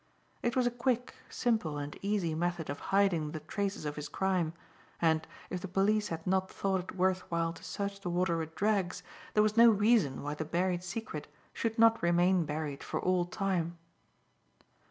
It was a quick, simple and easy method of hiding the traces of his crime, and, if the police had not thought it worth while to search the water with drags, there was no reason why the buried secret should not remain buried for all time.